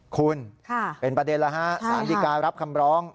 คุณเป็นประเด็นแล้วฮะสารดีการับคำร้อง